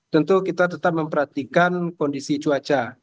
tentu kita tetap memperhatikan kondisi cuaca